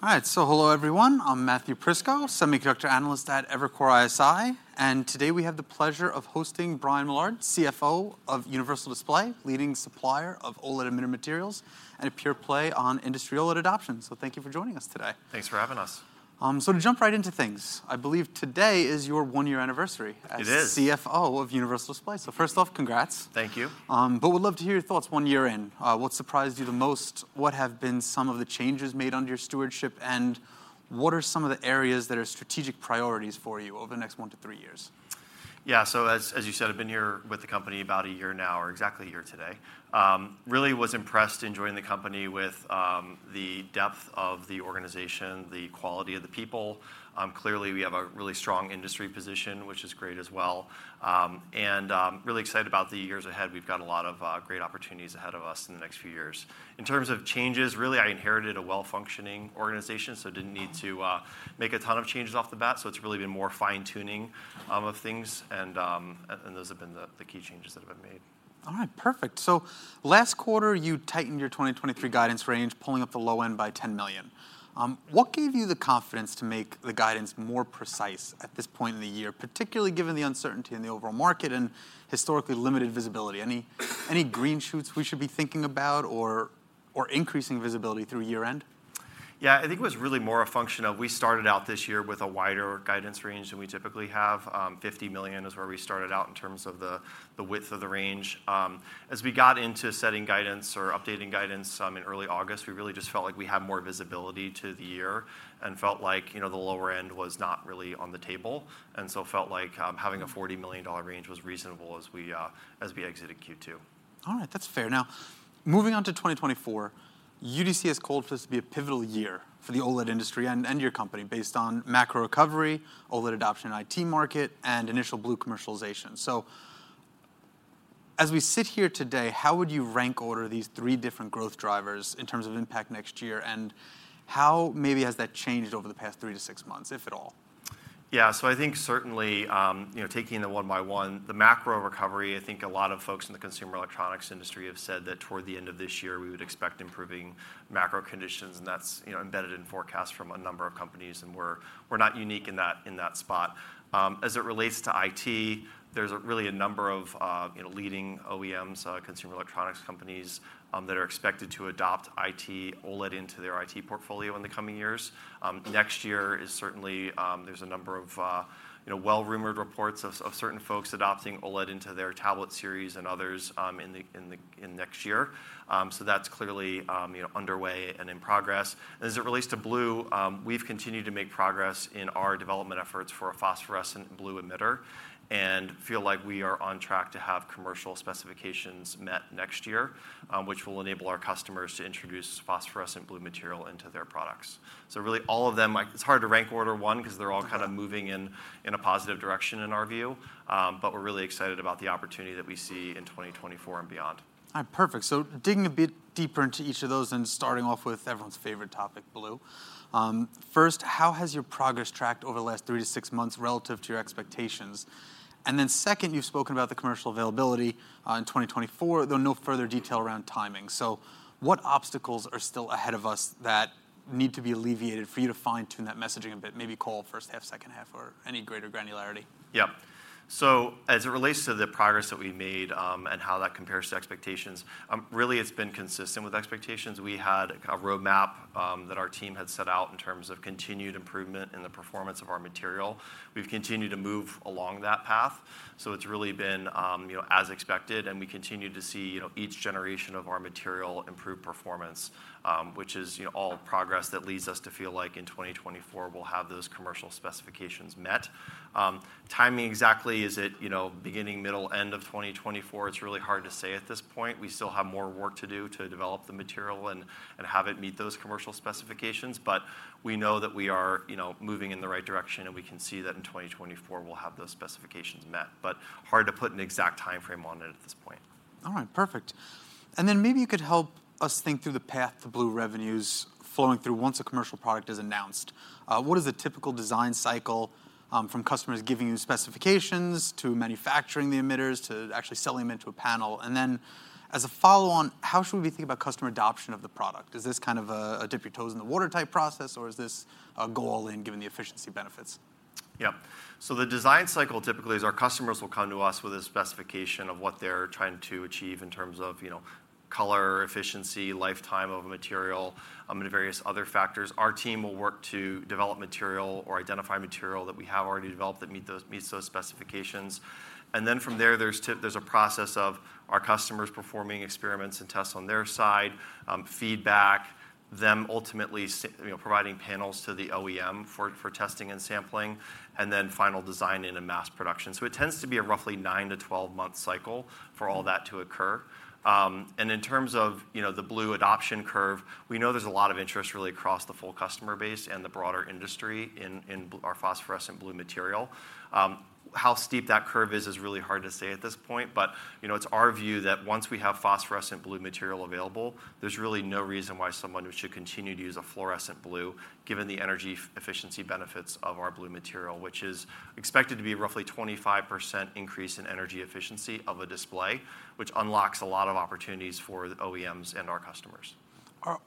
All right, so hello everyone, I'm Matthew Prisco, Semiconductor Analyst at Evercore ISI, and today we have the pleasure of hosting Brian Millard, CFO of Universal Display, leading supplier of OLED emitter materials, and a pure play on industry OLED adoption. So thank you for joining us today. Thanks for having us. So to jump right into things, I believe today is your one-year anniversary. It is as CFO of Universal Display. So first off, congrats. Thank you. Would love to hear your thoughts one year in. What surprised you the most? What have been some of the changes made under your stewardship, and what are some of the areas that are strategic priorities for you over the next one to three years? Yeah, so as you said, I've been here with the company about a year now, or exactly a year today. Really was impressed in joining the company with the depth of the organization, the quality of the people. Clearly, we have a really strong industry position, which is great as well. And I'm really excited about the years ahead. We've got a lot of great opportunities ahead of us in the next few years. In terms of changes, really, I inherited a well-functioning organization, so didn't need to make a ton of changes off the bat, so it's really been more fine-tuning of things. And those have been the key changes that have been made. All right, perfect. So last quarter, you tightened your 2023 guidance range, pulling up the low end by $10 million. What gave you the confidence to make the guidance more precise at this point in the year, particularly given the uncertainty in the overall market and historically limited visibility? Any green shoots we should be thinking about or increasing visibility through year end? Yeah, I think it was really more a function of we started out this year with a wider guidance range than we typically have. $50 million is where we started out in terms of the, the width of the range. As we got into setting guidance or updating guidance, in early August, we really just felt like we had more visibility to the year and felt like the lower end was not really on the table. And so felt like, having a $40 million range was reasonable as we, as we exited Q2. All right. That's fair. Now, moving on to 2024, UDC has called for this to be a pivotal year for the OLED industry and, and your company, based on macro recovery, OLED adoption in IT market, and initial blue commercialization. So as we sit here today, how would you rank order these three different growth drivers in terms of impact next year, and how maybe has that changed over the past 3-6 months, if at all? Yeah, so I think certainly taking them one by one, the macro recovery, I think a lot of folks in the consumer electronics industry have said that toward the end of this year, we would expect improving macro conditions, and that's embedded in forecasts from a number of companies, and we're not unique in that spot. As it relates to IT, there's really a number of leading OEMs, consumer electronics companies, that are expected to adopt IT OLED into their IT portfolio in the coming years. Next year is certainly... There's a number of well-rumored reports of certain folks adopting OLED into their tablet series and others in next year. So that's clearly underway and in progress. As it relates to blue, we've continued to make progress in our development efforts for a phosphorescent blue emitter, and feel like we are on track to have commercial specifications met next year, which will enable our customers to introduce phosphorescent blue material into their products. So really, all of them, like, it's hard to rank order one, 'cause they're all kind of moving in a positive direction in our view. But we're really excited about the opportunity that we see in 2024 and beyond. All right, perfect. So digging a bit deeper into each of those and starting off with everyone's favorite topic, blue. First, how has your progress tracked over the last 3-6 months relative to your expectations? And then second, you've spoken about the commercial availability in 2024, though no further detail around timing. So what obstacles are still ahead of us that need to be alleviated for you to fine-tune that messaging a bit, maybe call first half, second half, or any greater granularity? Yeah. So as it relates to the progress that we made, and how that compares to expectations, really, it's been consistent with expectations. We had a kind of roadmap, that our team had set out in terms of continued improvement in the performance of our material. We've continued to move along that path, so it's really been as expected, and we continue to see each generation of our material improve performance, which is all progress that leads us to feel like in 2024, we'll have those commercial specifications met. Timing exactly, is it beginning, middle, end of 2024? It's really hard to say at this point. We still have more work to do to develop the material and have it meet those commercial specifications, but we know that we are moving in the right direction, and we can see that in 2024, we'll have those specifications met. But hard to put an exact timeframe on it at this point. All right, perfect. And then maybe you could help us think through the path to blue revenues flowing through once a commercial product is announced. What is the typical design cycle from customers giving you specifications, to manufacturing the emitters, to actually selling them into a panel? And then, as a follow-on, how should we think about customer adoption of the product? Is this kind of a dip-your-toes-in-the-water type process, or is this go all in given the efficiency benefits? Yeah. So the design cycle typically is our customers will come to us with a specification of what they're trying to achieve in terms of color, efficiency, lifetime of a material, and various other factors. Our team will work to develop material or identify material that we have already developed that meets those specifications. And then from there, there's a process of our customers performing experiments and tests on their side, feedback, them ultimately, providing panels to the OEM for, for testing and sampling, and then final design and then mass production. So it tends to be a roughly 9-12-month cycle for all that to occur. And in terms of the blue adoption curve, we know there's a lot of interest really across the full customer base and the broader industry in our phosphorescent blue material. How steep that curve is, is really hard to say at this point, but it's our view that once we have phosphorescent blue material available, there's really no reason why someone should continue to use a fluorescent blue, given the energy efficiency benefits of our blue material, which is expected to be roughly 25% increase in energy efficiency of a display, which unlocks a lot of opportunities for the OEMs and our customers.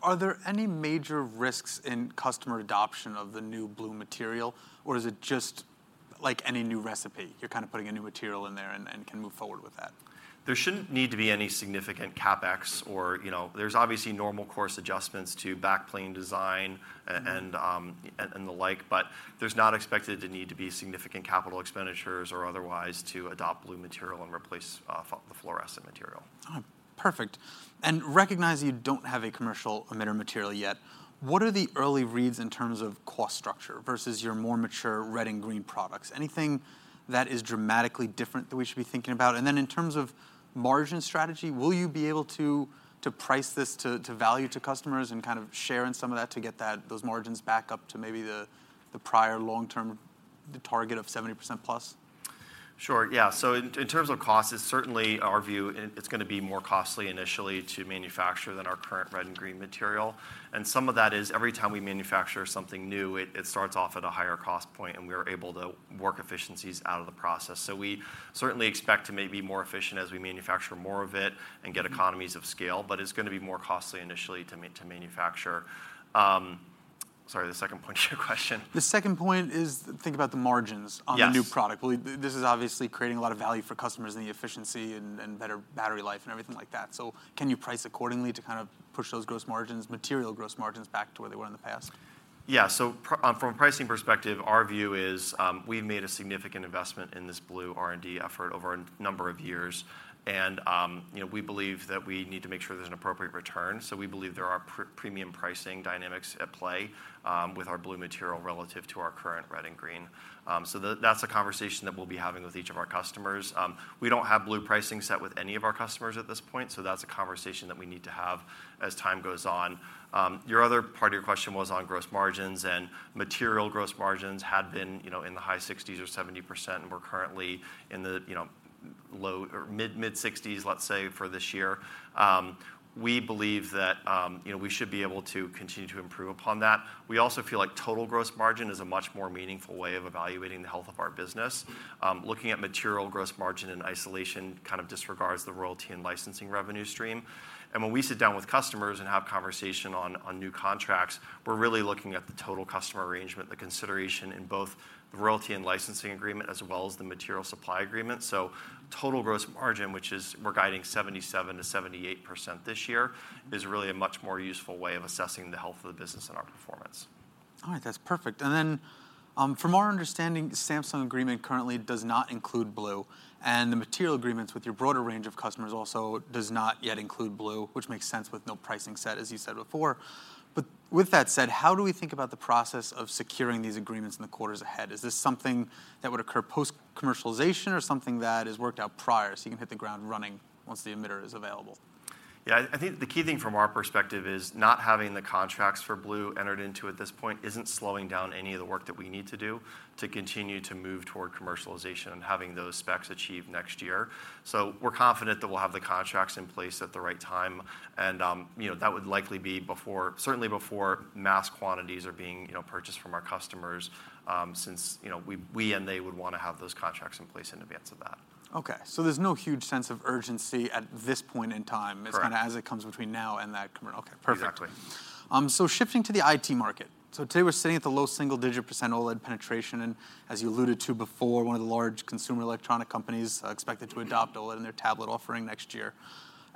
Are there any major risks in customer adoption of the new blue material, or is it just like any new recipe, you're kind of putting a new material in there and can move forward with that? There shouldn't need to be any significant CapEx or there's obviously normal course adjustments to backplane design and the like, but there's not expected to need to be significant capital expenditures or otherwise to adopt blue material and replace the fluorescent material. Oh, perfect. And recognizing you don't have a commercial emitter material yet, what are the early reads in terms of cost structure versus your more mature red and green products? Anything that is dramatically different that we should be thinking about? And then in terms of margin strategy, will you be able to price this to value to customers and kind of share in some of that to get those margins back up to maybe the prior long-term target of 70%+? Sure, yeah. So in terms of cost, it's certainly our view, and it's gonna be more costly initially to manufacture than our current red and green material. And some of that is every time we manufacture something new, it starts off at a higher cost point, and we are able to work efficiencies out of the process. So we certainly expect to may be more efficient as we manufacture more of it and get economies of scale, but it's gonna be more costly initially to manufacture. Sorry, the second point to your question? The second point is think about the margins- Yes... on the new product. Well, this is obviously creating a lot of value for customers, and the efficiency and better battery life and everything like that. So can you price accordingly to kind of push those gross margins, material gross margins, back to where they were in the past? Yeah. So from a pricing perspective, our view is, we've made a significant investment in this blue R&D effort over a number of years. And, we believe that we need to make sure there's an appropriate return. So we believe there are premium pricing dynamics at play with our blue material relative to our current red and green. So that's a conversation that we'll be having with each of our customers. We don't have blue pricing set with any of our customers at this point, so that's a conversation that we need to have as time goes on. Your other part of your question was on gross margins, and material gross margins had been in the high 60s or 70%, and we're currently in the low or mid-60s, let's say, for this year. We believe that we should be able to continue to improve upon that. We also feel like total gross margin is a much more meaningful way of evaluating the health of our business. Looking at material gross margin in isolation kind of disregards the royalty and licensing revenue stream. And when we sit down with customers and have conversation on, on new contracts, we're really looking at the total customer arrangement, the consideration in both the royalty and licensing agreement, as well as the material supply agreement. Total gross margin, which is we're guiding 77%-78% this year, is really a much more useful way of assessing the health of the business and our performance. All right, that's perfect. And then, from our understanding, Samsung agreement currently does not include blue, and the material agreements with your broader range of customers also does not yet include blue, which makes sense with no pricing set, as you said before. But with that said, how do we think about the process of securing these agreements in the quarters ahead? Is this something that would occur post-commercialization or something that is worked out prior, so you can hit the ground running once the emitter is available? Yeah, I think the key thing from our perspective is not having the contracts for blue entered into at this point isn't slowing down any of the work that we need to do to continue to move toward commercialization and having those specs achieved next year. So we're confident that we'll have the contracts in place at the right time, and that would likely be before certainly before mass quantities are being purchased from our customers, since we and they would wanna have those contracts in place in advance of that. Okay, so there's no huge sense of urgency at this point in time. Correct. Okay, perfect. Exactly. So shifting to the IT market. So today, we're sitting at the low single-digit % OLED penetration, and as you alluded to before, one of the large consumer electronic companies are expected to adopt OLED- Mm... in their tablet offering next year,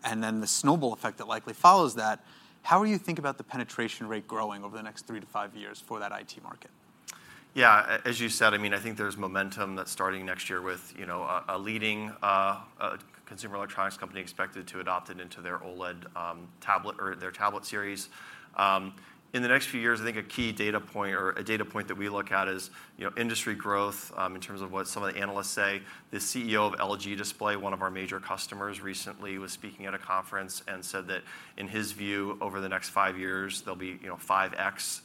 and then the snowball effect that likely follows that. How are you think about the penetration rate growing over the next three-five years for that IT market? Yeah, as you said, I mean, I think there's momentum that's starting next year with a leading consumer electronics company expected to adopt it into their OLED tablet or their tablet series. In the next few years, I think a key data point or a data point that we look at is industry growth in terms of what some of the analysts say. The CEO of LG Display, one of our major customers, recently was speaking at a conference and said that, in his view, over the next five years, there'll be 5x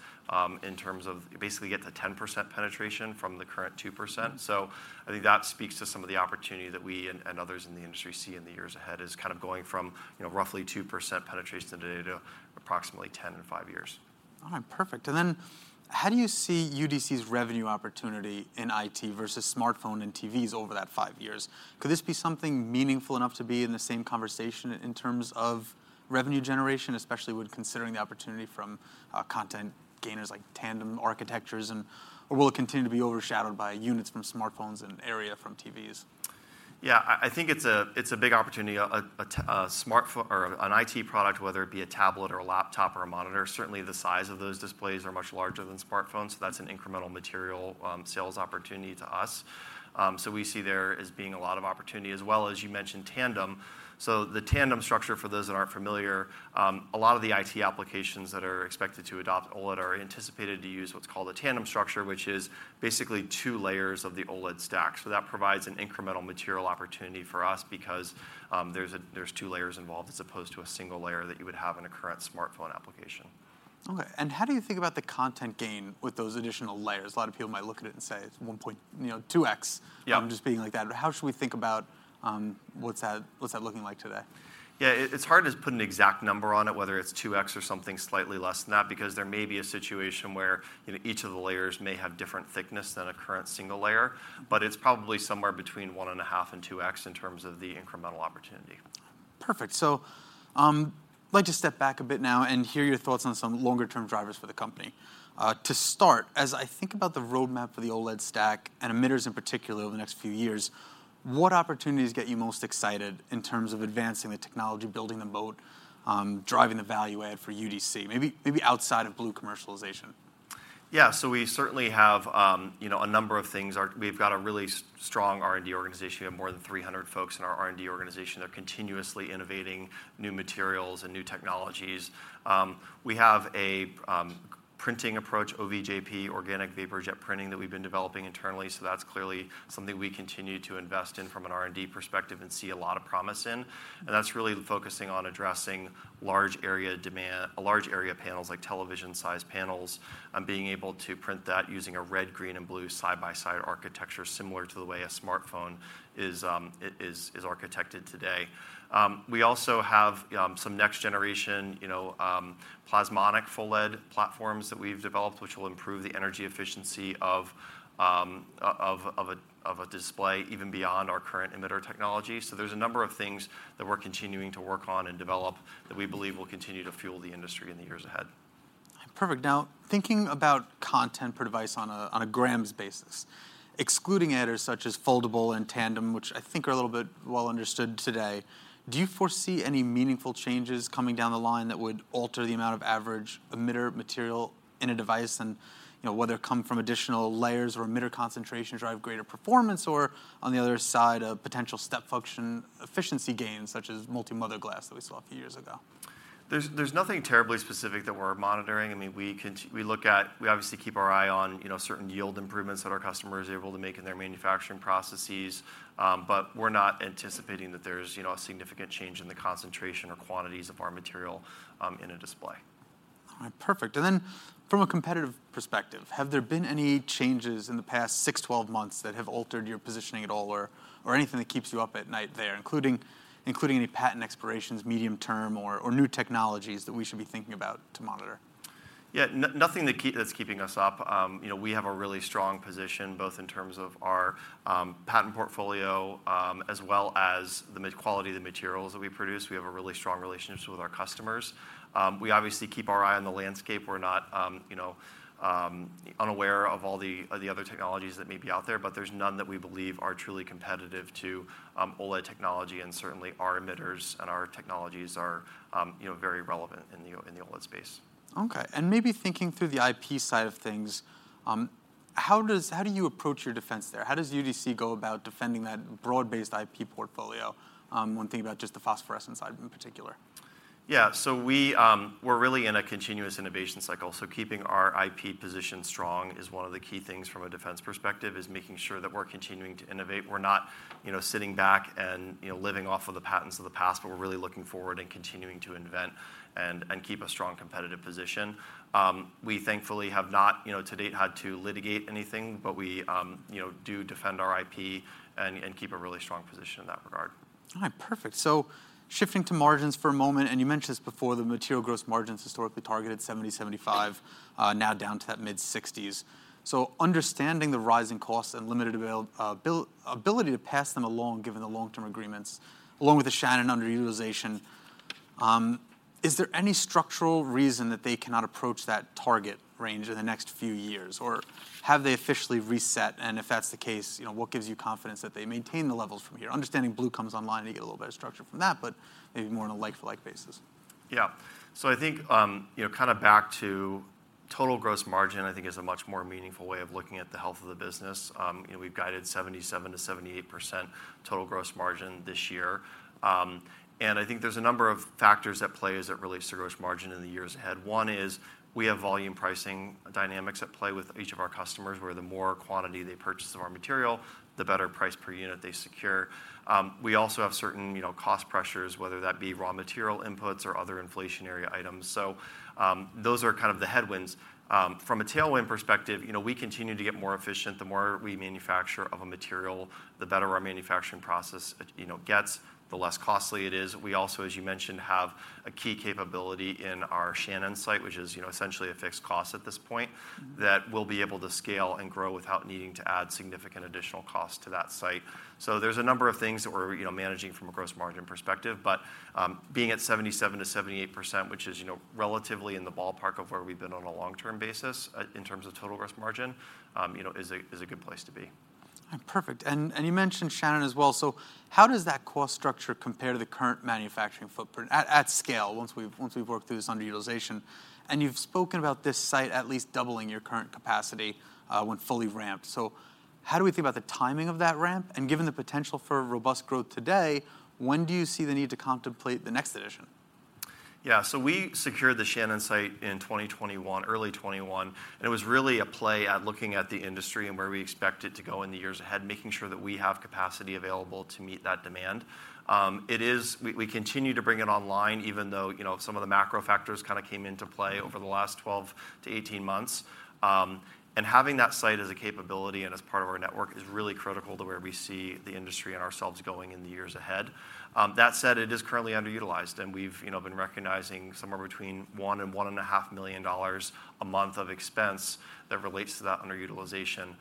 in terms of basically get to 10% penetration from the current 2%. I think that speaks to some of the opportunity that we and others in the industry see in the years ahead is kind of going from roughly 2% penetration today to approximately 10% in five years. All right, perfect. And then, how do you see UDC's revenue opportunity in IT versus smartphone and TVs over that five years? Could this be something meaningful enough to be in the same conversation in terms of revenue generation, especially when considering the opportunity from content gainers like tandem architectures, and, or will it continue to be overshadowed by units from smartphones and area from TVs? Yeah, I think it's a big opportunity. A smartphone or an IT product, whether it be a tablet or a laptop or a monitor, certainly the size of those displays are much larger than smartphones, so that's an incremental material sales opportunity to us. So we see there as being a lot of opportunity, as well as you mentioned tandem. So the tandem structure, for those that aren't familiar, a lot of the IT applications that are expected to adopt OLED are anticipated to use what's called a tandem structure, which is basically two layers of the OLED stack. So that provides an incremental material opportunity for us because there's two layers involved, as opposed to a single layer that you would have in a current smartphone application. Okay, and how do you think about the content gain with those additional layers? A lot of people might look at it and say, "It's 1 point 2x- Yeah... I'm just speaking like that." How should we think about, what's that, what's that looking like today? Yeah, it, it's hard to put an exact number on it, whether it's 2x or something slightly less than that, because there may be a situation where each of the layers may have different thickness than a current single layer. But it's probably somewhere between 1.5 and 2x in terms of the incremental opportunity.... Perfect. I'd like to step back a bit now and hear your thoughts on some longer-term drivers for the company. To start, as I think about the roadmap for the OLED stack, and emitters in particular, over the next few years, what opportunities get you most excited in terms of advancing the technology, building the moat, driving the value add for UDC? Maybe, maybe outside of blue commercialization. Yeah, so we certainly have a number of things. We've got a really strong R&D organization. We have more than 300 folks in our R&D organization. They're continuously innovating new materials and new technologies. We have a printing approach, OVJP, Organic Vapor Jet Printing, that we've been developing internally, so that's clearly something we continue to invest in from an R&D perspective and see a lot of promise in. And that's really focusing on addressing large area demand, large area panels, like television-sized panels, and being able to print that using a red, green, and blue side-by-side architecture, similar to the way a smartphone is architected today. We also have some next generation plasmonic PHOLED platforms that we've developed, which will improve the energy efficiency of a display, even beyond our current emitter technology. So there's a number of things that we're continuing to work on and develop that we believe will continue to fuel the industry in the years ahead. Perfect. Now, thinking about content per device on a grams basis, excluding emitters such as foldable and tandem, which I think are a little bit well understood today, do you foresee any meaningful changes coming down the line that would alter the amount of average emitter material in a device? and whether it come from additional layers or emitter concentrations drive greater performance or, on the other side, a potential step function efficiency gains, such as multi-model glass that we saw a few years ago. There's nothing terribly specific that we're monitoring. I mean, we look at... We obviously keep our eye on certain yield improvements that our customer is able to make in their manufacturing processes. But we're not anticipating that there's a significant change in the concentration or quantities of our material, in a display. All right, perfect. And then from a competitive perspective, have there been any changes in the past 6, 12 months that have altered your positioning at all or anything that keeps you up at night there, including any patent expirations, medium term or new technologies that we should be thinking about to monitor? Yeah. Nothing that's keeping us up., we have a really strong position, both in terms of our patent portfolio, as well as the high quality of the materials that we produce. We have a really strong relationship with our customers. We obviously keep our eye on the landscape. We're not unaware of all the other technologies that may be out there, but there's none that we believe are truly competitive to OLED technology. And certainly, our emitters and our technologies are very relevant in the OLED space. Okay. Maybe thinking through the IP side of things, how do you approach your defense there? How does UDC go about defending that broad-based IP portfolio, when thinking about just the phosphorescent side in particular? Yeah, so we, We're really in a continuous innovation cycle, so keeping our IP position strong is one of the key things from a defense perspective, is making sure that we're continuing to innovate. We're not sitting back and living off of the patents of the past, but we're really looking forward and continuing to invent and, and keep a strong competitive position. We thankfully have not to date, had to litigate anything, but we do defend our IP and, and keep a really strong position in that regard. All right, perfect. So shifting to margins for a moment, and you mentioned this before, the material gross margins historically targeted 70, 75, now down to that mid-60s. So understanding the rising costs and limited availability to pass them along, given the long-term agreements, along with the Shannon underutilization, is there any structural reason that they cannot approach that target range in the next few years, or have they officially reset? And if that's the case what gives you confidence that they maintain the levels from here? Understanding blue comes online, you get a little bit of structure from that, but maybe more on a like-for-like basis. Yeah. So I think kind of back to total gross margin, I think is a much more meaningful way of looking at the health of the business., we've guided 77%-78% total gross margin this year. And I think there's a number of factors at play as it relates to gross margin in the years ahead. One is we have volume pricing dynamics at play with each of our customers, where the more quantity they purchase of our material, the better price per unit they secure. We also have certain cost pressures, whether that be raw material inputs or other inflationary items. So, those are kind of the headwinds. From a tailwind perspective we continue to get more efficient. The more we manufacture of a material, the better our manufacturing process gets, the less costly it is. We also, as you mentioned, have a key capability in our Shannon site, which is essentially a fixed cost at this point, that we'll be able to scale and grow without needing to add significant additional cost to that site. So there's a number of things that we're managing from a gross margin perspective, but, being at 77%-78%, which is relatively in the ballpark of where we've been on a long-term basis in terms of total gross margin is a, is a good place to be. Perfect. And you mentioned Shannon as well. So how does that cost structure compare to the current manufacturing footprint at scale, once we've worked through this underutilization? And you've spoken about this site at least doubling your current capacity, when fully ramped. So how do we think about the timing of that ramp? And given the potential for robust growth today, when do you see the need to contemplate the next edition? ... Yeah, so we secured the Shannon site in 2021, early 2021, and it was really a play at looking at the industry and where we expect it to go in the years ahead, making sure that we have capacity available to meet that demand. It is. We continue to bring it online, even though some of the macro factors kind of came into play over the last 12-18 months. And having that site as a capability and as part of our network is really critical to where we see the industry and ourselves going in the years ahead. That said, it is currently underutilized, and we've been recognizing somewhere between $1 million and $1.5 million a month of expense that relates to that underutilization.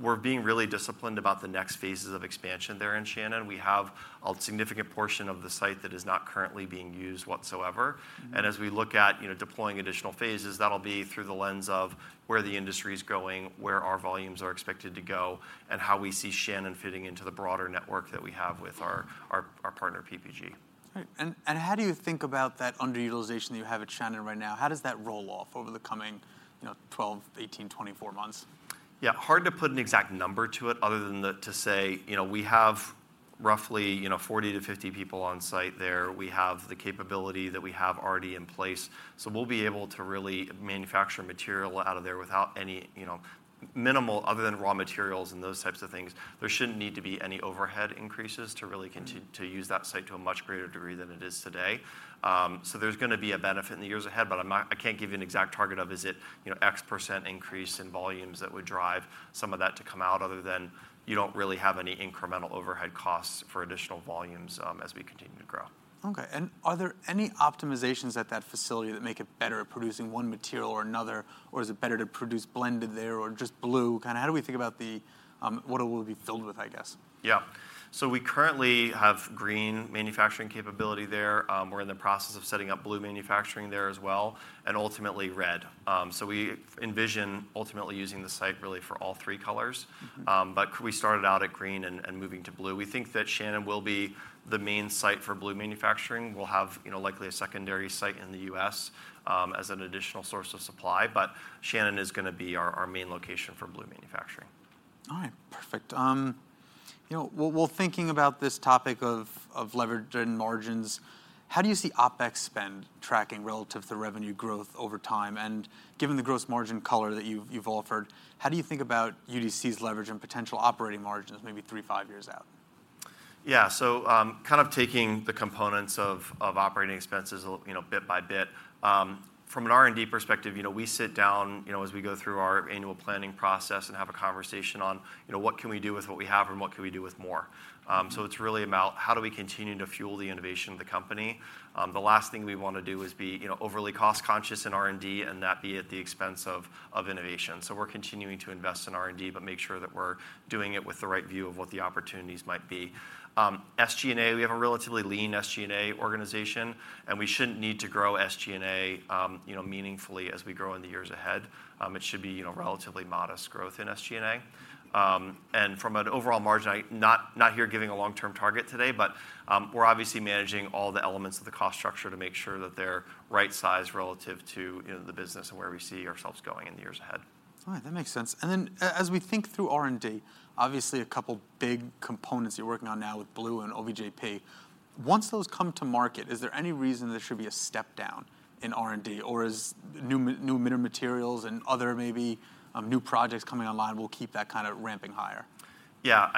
We're being really disciplined about the next phases of expansion there in Shannon. We have a significant portion of the site that is not currently being used whatsoever. And as we look at deploying additional phases, that'll be through the lens of where the industry is going, where our volumes are expected to go, and how we see Shannon fitting into the broader network that we have with our partner, PPG. Right. And how do you think about that underutilization that you have at Shannon right now? How does that roll off over the coming 12, 18, 24 months? Yeah, hard to put an exact number to it other than that to say we have roughly 40-50 people on site there. We have the capability that we have already in place, so we'll be able to really manufacture material out of there without any,... minimal, other than raw materials and those types of things. There shouldn't need to be any overhead increases to really continue to use that site to a much greater degree than it is today. So there's gonna be a benefit in the years ahead, but I'm not- I can't give you an exact target of, is it X% increase in volumes that would drive some of that to come out, other than you don't really have any incremental overhead costs for additional volumes as we continue to grow. Okay, and are there any optimizations at that facility that make it better at producing one material or another, or is it better to produce blended there or just blue? Kinda how do we think about the, what it will be filled with, I guess? Yeah. So we currently have green manufacturing capability there. We're in the process of setting up blue manufacturing there as well, and ultimately red. So we envision ultimately using the site really for all three colors. Mm-hmm. But we started out at green and moving to blue. We think that Shannon will be the main site for blue manufacturing. We'll have likely a secondary site in the U.S., as an additional source of supply, but Shannon is gonna be our main location for blue manufacturing. All right. Perfect. , well, well, thinking about this topic of leverage and margins, how do you see OpEx spend tracking relative to revenue growth over time? And given the gross margin color that you've offered, how do you think about UDC's leverage and potential operating margins, maybe three, five years out? Yeah. So, kind of taking the components of, of operating expenses bit by bit. From an R&D perspective we sit down as we go through our annual planning process and have a conversation on what can we do with what we have, and what can we do with more? So it's really about: how do we continue to fuel the innovation of the company? The last thing we want to do is be overly cost conscious in R&D, and that be at the expense of, of innovation. So we're continuing to invest in R&D, but make sure that we're doing it with the right view of what the opportunities might be. SG&A, we have a relatively lean SG&A organization, and we shouldn't need to grow sg&a meaningfully as we grow in the years ahead. It should be relatively modest growth in SG&A. And from an overall margin, I'm not here giving a long-term target today, but we're obviously managing all the elements of the cost structure to make sure that they're right size relative to the business and where we see ourselves going in the years ahead. All right, that makes sense. And then as we think through R&D, obviously, a couple big components you're working on now with blue and OVJP. Once those come to market, is there any reason there should be a step down in R&D, or as new emitter materials and other maybe new projects coming online will keep that kind of ramping higher? Yeah.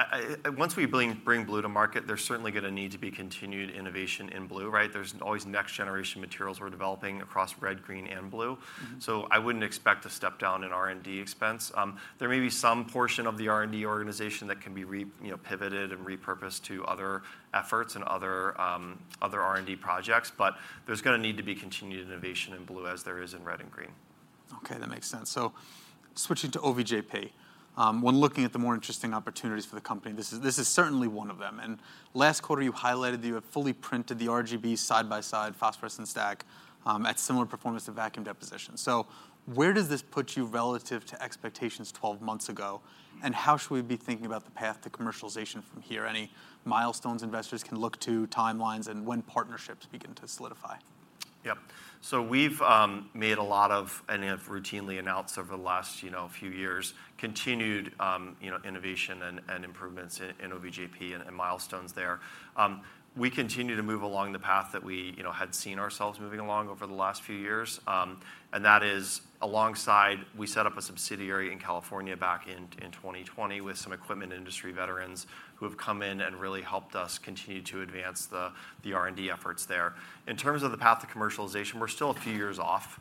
Once we bring blue to market, there's certainly gonna need to be continued innovation in blue, right? There's always next-generation materials we're developing across red, green, and blue. Mm-hmm. So I wouldn't expect to step down in R&D expense. There may be some portion of the R&D organization that can be pivoted and repurposed to other efforts and other R&D projects, but there's gonna need to be continued innovation in blue as there is in red and green. Okay, that makes sense. So switching to OVJP, when looking at the more interesting opportunities for the company, this is certainly one of them. And last quarter, you highlighted that you have fully printed the RGB side-by-side phosphorescent stack at similar performance to vacuum deposition. So where does this put you relative to expectations 12 months ago, and how should we be thinking about the path to commercialization from here? Any milestones investors can look to, timelines, and when partnerships begin to solidify? Yep. So we've made a lot of, and have routinely announced over the last few years, continued innovation and improvements in OVJP and milestones there. We continue to move along the path that we had seen ourselves moving along over the last few years. And that is alongside, we set up a subsidiary in California back in 2020 with some equipment industry veterans, who have come in and really helped us continue to advance the R&D efforts there. In terms of the path to commercialization, we're still a few years off.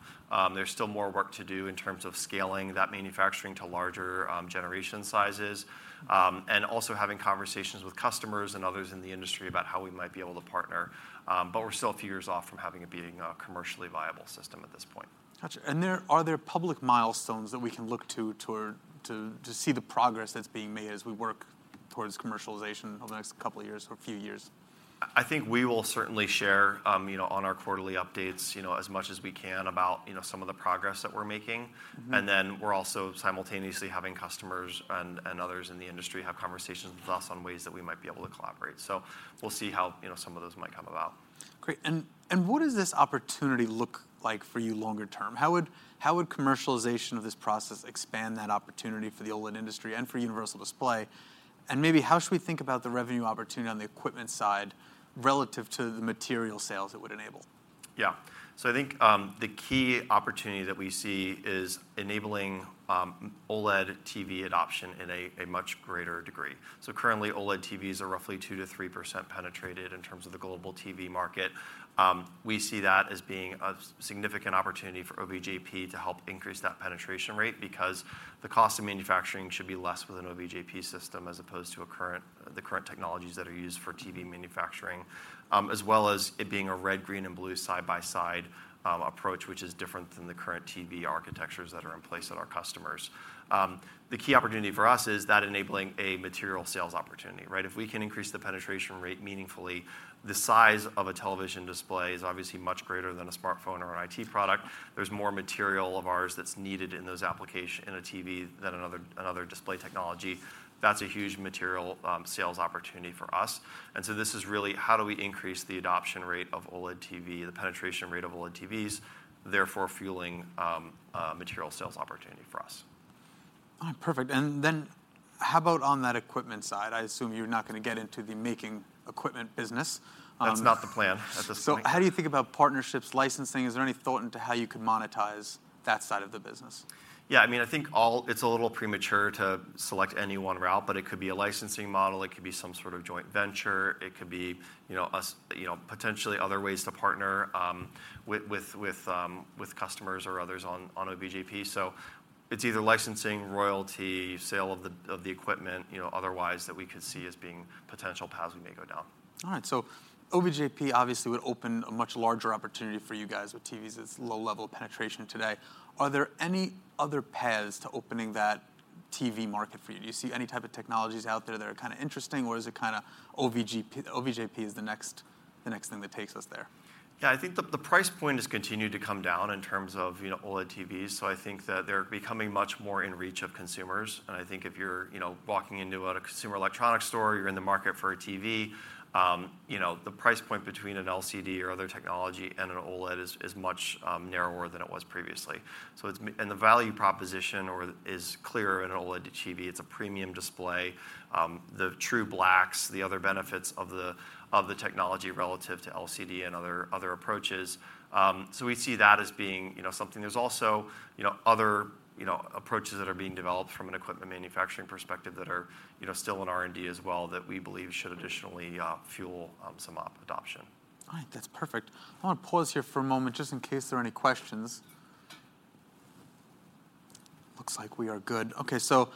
There's still more work to do in terms of scaling that manufacturing to larger generation sizes, and also having conversations with customers and others in the industry about how we might be able to partner. But we're still a few years off from having it being a commercially viable system at this point. Got you. Are there public milestones that we can look toward to see the progress that's being made as we work towards commercialization over the next couple of years or a few years? I think we will certainly share on our quarterly updates as much as we can about some of the progress that we're making. Mm-hmm. And then we're also simultaneously having customers and others in the industry have conversations with us on ways that we might be able to collaborate. So we'll see how some of those might come about. Great. And what does this opportunity look like for you longer term? How would commercialization of this process expand that opportunity for the OLED industry and for Universal Display? And maybe how should we think about the revenue opportunity on the equipment side relative to the material sales it would enable?... Yeah. So I think the key opportunity that we see is enabling OLED TV adoption in a much greater degree. So currently, OLED TVs are roughly 2%-3% penetrated in terms of the global TV market. We see that as being a significant opportunity for OVJP to help increase that penetration rate, because the cost of manufacturing should be less with an OVJP system, as opposed to the current technologies that are used for TV manufacturing. As well as it being a red, green, and blue side-by-side approach, which is different than the current TV architectures that are in place at our customers. The key opportunity for us is that enabling a material sales opportunity, right? If we can increase the penetration rate meaningfully, the size of a television display is obviously much greater than a smartphone or an IT product. There's more material of ours that's needed in those in a TV than another, another display technology. That's a huge material, sales opportunity for us, and so this is really: how do we increase the adoption rate of OLED TV, the penetration rate of OLED TVs, therefore fueling, a material sales opportunity for us? All right, perfect. And then, how about on that equipment side? I assume you're not gonna get into the making equipment business. That's not the plan at this point. How do you think about partnerships, licensing? Is there any thought into how you could monetize that side of the business? Yeah, I mean, I think it's a little premature to select any one route, but it could be a licensing model, it could be some sort of joint venture, it could be us potentially other ways to partner with customers or others on OVJP. So it's either licensing, royalty, sale of the equipment otherwise, that we could see as being potential paths we may go down. All right, so OVJP obviously would open a much larger opportunity for you guys with TVs. It's low-level penetration today. Are there any other paths to opening that TV market for you? Do you see any type of technologies out there that are kind of interesting, or is it kind of OVJP, the next thing that takes us there? Yeah, I think the price point has continued to come down in terms of OLED TVs, so I think that they're becoming much more in reach of consumers. And I think if you're walking into a consumer electronics store, you're in the market for a tv the price point between an LCD or other technology and an OLED is much narrower than it was previously. So the value proposition is clearer in an OLED TV. It's a premium display. The true blacks, the other benefits of the technology relative to LCD and other approaches. So we see that as being something. There's also other approaches that are being developed from an equipment manufacturing perspective that are still in R&D as well, that we believe should additionally fuel some adoption. All right. That's perfect. I want to pause here for a moment, just in case there are any questions. Looks like we are good. Okay, so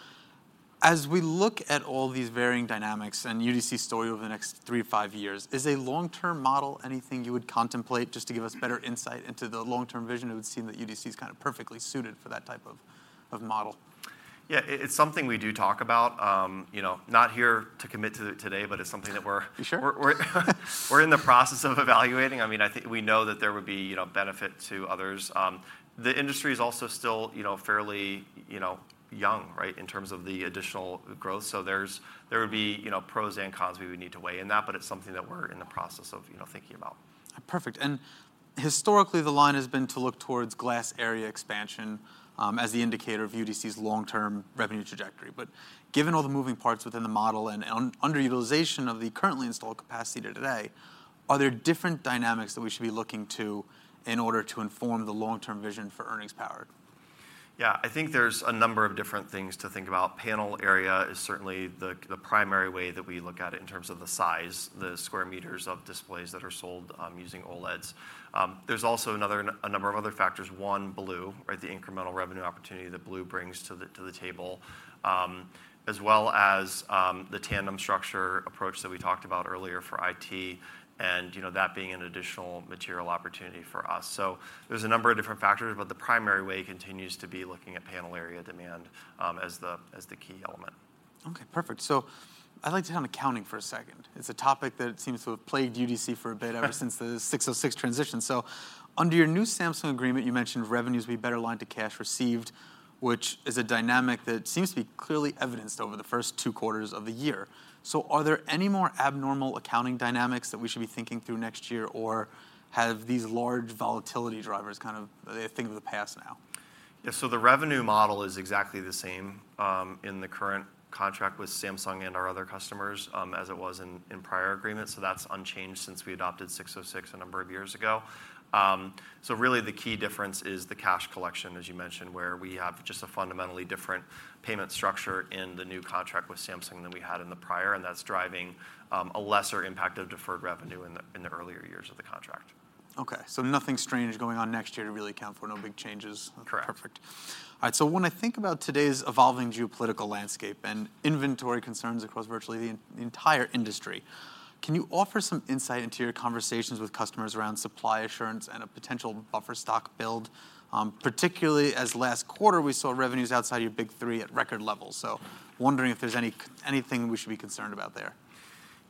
as we look at all these varying dynamics and UDC's story over the next three to five years, is a long-term model anything you would contemplate? Just to give us better insight into the long-term vision, it would seem that UDC is kind of perfectly suited for that type of model. Yeah, it's something we do talk about., not here to commit to it today, but it's something that we're- Sure.... we're in the process of evaluating. I mean, I think we know that there would be benefit to others. The industry is also still fairly young, right, in terms of the additional growth. So there's there would be pros and cons we would need to weigh in that, but it's something that we're in the process of thinking about. Perfect. And historically, the line has been to look towards glass area expansion, as the indicator of UDC's long-term revenue trajectory. But given all the moving parts within the model and underutilization of the currently installed capacity today, are there different dynamics that we should be looking to in order to inform the long-term vision for earnings power? Yeah, I think there's a number of different things to think about. Panel area is certainly the primary way that we look at it in terms of the size, the square meters of displays that are sold using OLEDs. There's also a number of other factors: one, blue, or the incremental revenue opportunity that blue brings to the table. As well as the tandem structure approach that we talked about earlier for IT, and, that being an additional material opportunity for us. So there's a number of different factors, but the primary way continues to be looking at panel area demand as the key element. Okay, perfect. So I'd like to touch on accounting for a second. It's a topic that seems to have plagued UDC for a bit- Right... ever since the ASC 606 transition. So under your new Samsung agreement, you mentioned revenues will be better aligned to cash received, which is a dynamic that seems to be clearly evidenced over the first two quarters of the year. So are there any more abnormal accounting dynamics that we should be thinking through next year, or have these large volatility drivers kind of a thing of the past now? Yeah, so the revenue model is exactly the same, in the current contract with Samsung and our other customers, as it was in, in prior agreements, so that's unchanged since we adopted 606 a number of years ago. So really, the key difference is the cash collection, as you mentioned, where we have just a fundamentally different payment structure in the new contract with Samsung than we had in the prior, and that's driving, a lesser impact of deferred revenue in the, in the earlier years of the contract. Okay, so nothing strange going on next year to really account for, no big changes? Correct. Perfect. All right, so when I think about today's evolving geopolitical landscape and inventory concerns across virtually the entire industry, can you offer some insight into your conversations with customers around supply assurance and a potential buffer stock build? Particularly as last quarter, we saw revenues outside your big three at record levels. So wondering if there's anything we should be concerned about there.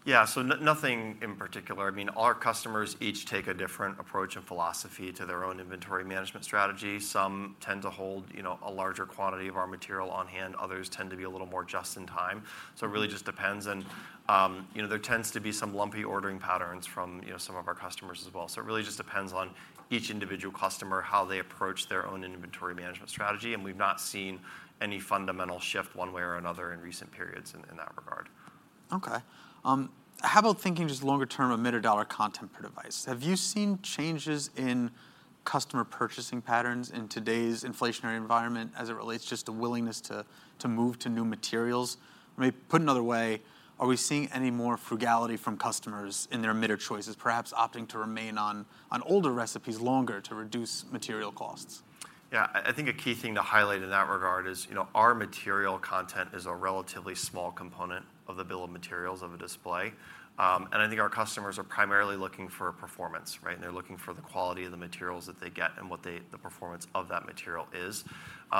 Yeah, so nothing in particular. I mean, our customers each take a different approach and philosophy to their own inventory management strategy. Some tend to hold a larger quantity of our material on hand, others tend to be a little more just in time. So it really just depends. and there tends to be some lumpy ordering patterns from some of our customers as well. So it really just depends on each individual customer, how they approach their own inventory management strategy, and we've not seen any fundamental shift one way or another in recent periods in that regard.... Okay. How about thinking just longer term emitter dollar content per device? Have you seen changes in customer purchasing patterns in today's inflationary environment as it relates just to willingness to, to move to new materials? Maybe put another way, are we seeing any more frugality from customers in their emitter choices, perhaps opting to remain on, on older recipes longer to reduce material costs? Yeah, I think a key thing to highlight in that regard is our material content is a relatively small component of the bill of materials of a display. And I think our customers are primarily looking for performance, right? And they're looking for the quality of the materials that they get and what they-- the performance of that material is.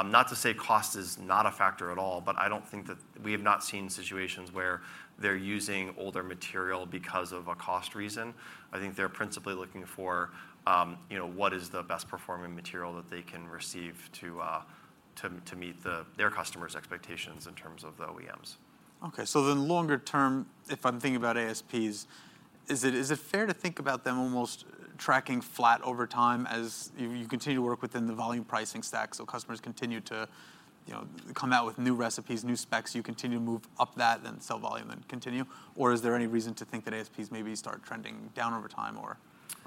Not to say cost is not a factor at all, but I don't think that... We have not seen situations where they're using older material because of a cost reason. I think they're principally looking for what is the best performing material that they can receive to meet their customers' expectations in terms of the OEMs. Okay. So then, longer term, if I'm thinking about ASPs, is it, is it fair to think about them almost tracking flat over time as you, you continue to work within the volume pricing stack, so customers continue to come out with new recipes, new specs, you continue to move up that, then sell volume and continue? Or is there any reason to think that ASPs maybe start trending down over time or,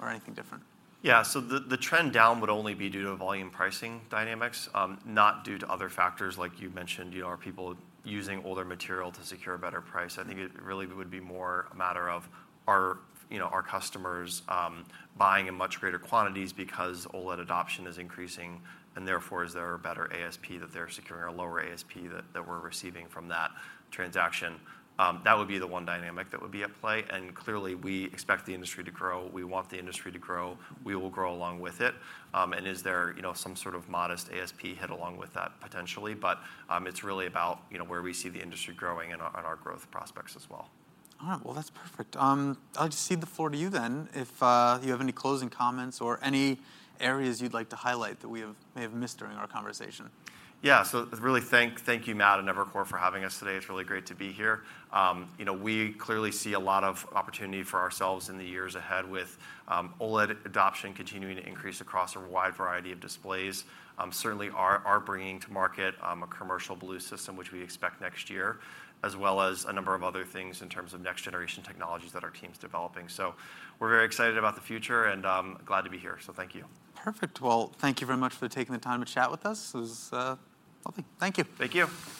or anything different? Yeah. So the trend down would only be due to volume pricing dynamics, not due to other factors like you mentioned are people using older material to secure a better price? I think it really would be more a matter of our our customers, buying in much greater quantities because OLED adoption is increasing, and therefore, is there a better ASP that they're securing or a lower ASP that we're receiving from that transaction? That would be the one dynamic that would be at play, and clearly, we expect the industry to grow. We want the industry to grow. We will grow along with it. And is there some sort of modest ASP hit along with that? Potentially. But, it's really about where we see the industry growing and, on our growth prospects as well. All right. Well, that's perfect. I'll just cede the floor to you then, if you have any closing comments or any areas you'd like to highlight that we have may have missed during our conversation. Yeah. So really, thank you, Matt, and Evercore, for having us today. It's really great to be here., we clearly see a lot of opportunity for ourselves in the years ahead with OLED adoption continuing to increase across a wide variety of displays. Certainly, our bringing to market a commercial blue system, which we expect next year, as well as a number of other things in terms of next-generation technologies that our team's developing. So we're very excited about the future and glad to be here. So thank you. Perfect. Well, thank you very much for taking the time to chat with us. It was lovely. Thank you. Thank you.